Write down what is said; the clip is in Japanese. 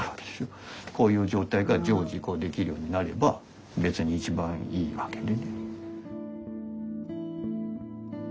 こういう状態が常時できるようになれば別に一番いいわけで。